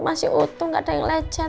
masih utuh gak ada yang lejat